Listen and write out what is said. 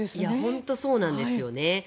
本当そうなんですよね。